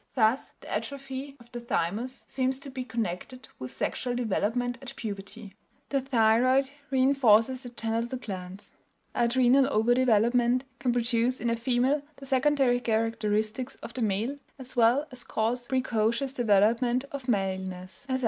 Thus the atrophy of the thymus seems to be connected with sexual development at puberty; the thyroid reinforces the genital glands; adrenal overdevelopment can produce in a female the secondary characteristics of the male, as well as cause precocious development of maleness; etc.